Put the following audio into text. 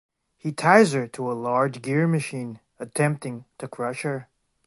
He ties her to a large gear machine, attempting to crush her.